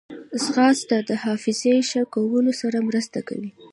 ځغاسته د حافظې ښه کولو سره مرسته کوي